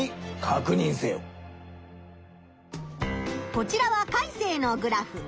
こちらはカイセイのグラフ。